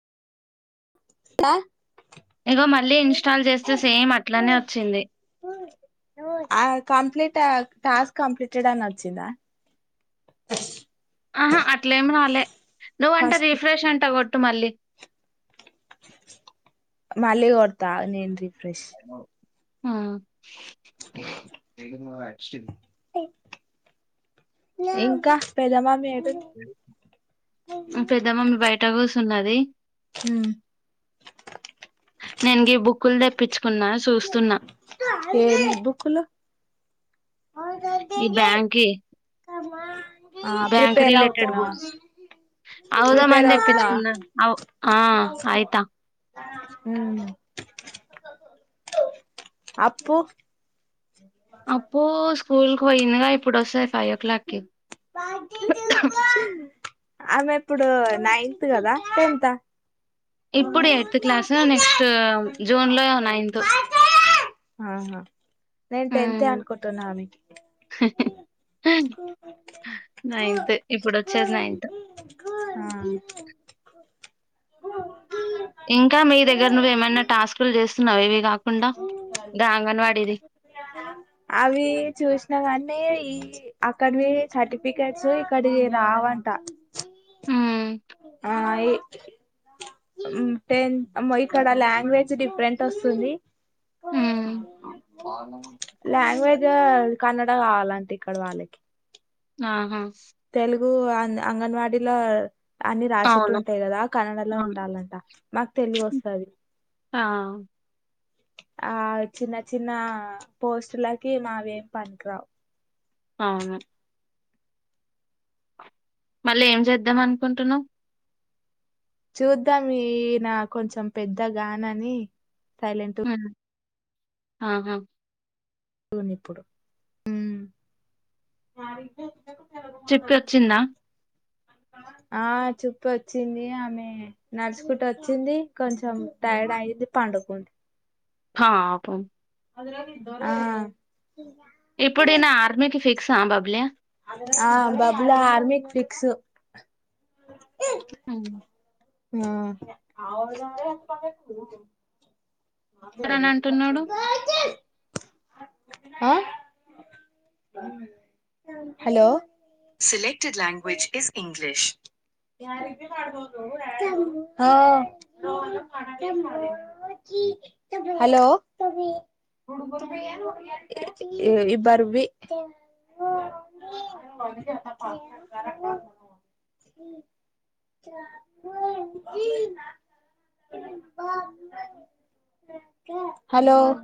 కా ఇగో మళ్ళీ ఇన్స్టాల్ చేస్తే సేమ్ అట్లనే వచ్చింది ఆ కంప్లీట్ టాస్క్ కంప్లీటెడ్ అని వచ్చిందా ఆహా అట్లేమి రాలే నువ్వంటా ఫస్ట్ రిఫ్రెష్ అంట కొట్టు కొట్టు మళ్ళీ మళ్ళీ కొడతా నేన్ రిఫ్రెష్ ఆ ఇంకా పెదమమ్మి పెద్దమమ్మ మీ బయటకు వస్త సున్నది హ నెన్ గీ బుక్కులు తెప్పిచూ ఏ బుక్లో ఈ బ్యాంక్కి మా బ్యాంక్ రిలేటెడ్ బుక్స్ అవుదా ప్రిపేర్ మంది అవుతున్నా తెప్పించుకున్నా ఆ అయితా అప్పు అప్పు స్కూల్కి పోయింది ఇప్పుడ వస్తాది ఫైవ్ ఓ క్లాక్కి ఆమె ఇప్పుడు నైన్త్ కదా టెన్త్ ఆ ఇప్పుడు ఎయిత్ క్లాసు నెక్స్ట్ జూన్ లో నైన్త్ ఆహా నేను టెన్తే హ్మ్. అనుకుంటున్నా నైన్త్ ఇప్పుడొచ్చేది నైన్త్. గానీ ఇంకా మీ దగ్గర నువ్వేమైనా టాస్కులు చేస్తున్నావా ఇవి కాకుండా? గా అంగన్వాడీది. అవి చూసిన కానీ ఈ అక్కడివి సర్టిఫికెట్స్ ఇక్కడి రావంట హ్మ్. ఆఈ టెన్ ఇక్కడ లాంగ్వేజ్ డిఫరెంట్ వస్తుంది హ్మ్. లాంగ్వేజ్ కన్నడ అలంటే ఇక్కడ వాళ్ళకి ఆహా తెలు గు అంగన్వాడీలో అన్ని రాసేట్టు అవును. ఉంటాయి కదా కన్నడలో అవును. ఉండాలంట మాకు తెలుగు వస్తది ఆ! ఆ చిన్న చిన్న పోస్టులకి మావేం పనికిరావు అవును మళ్ళీ ఏం చేద్దాం అనుకుంటున్నావ్ చూద్దాం ఈ నా కొంచెం పెద్ద గాన అని సైలెంట్ హ్మ్. ఆహా టు వన్ ఇప్పుడు ఉమ్ చిట్కొచ్చిందా? ఆ చూప్ప వచ్చింది ఆమె నడుచుకుంటూ వచ్చింది కొంచెం టైర్డ్ అయింది పండుకుంది పాపామ్ అ ఇప్పుడె నా ఆర్మీకి ఫిక్స్ బబ్లి ఆ బబ్లా ఆర్మీ కి ఫిక్స్ హ్మ్. అమ్ అని అంటున్నాడు. ఆ hello selected language is English hello ఇబ్బరవి హలో